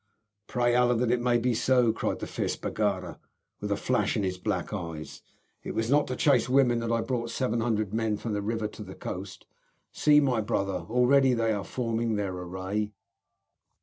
"Pray Allah that it may be so," cried the fierce Baggara, with a flash of his black eyes. "It was not to chase women that I brought 700 men from the river to the coast. See, my brother, already they are forming their array."